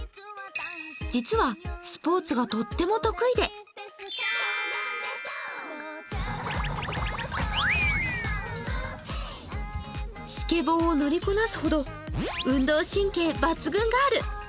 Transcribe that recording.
実はスポ−ツがとっても得意でスケボーを乗りこなすほど運動神経抜群ガール。